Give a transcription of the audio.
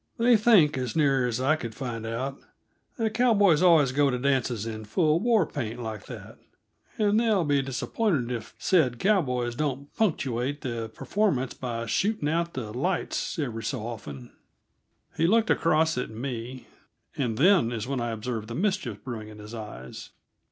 They think, as near as I could find out, that cowboys always go to dances in full war paint like that and they'll be disappointed if said cowboys don't punctuate the performance by shooting out the lights, every so often." He looked across at me, and then is when I observed the mischief brewing in his eyes.